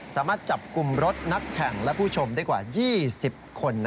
สามารถจับกลุ่มรถนักแข่งและผู้ชมได้กว่า๒๐คน